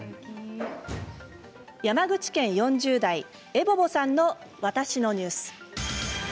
山口県４０代、エボボさんの「わたしのニュース」。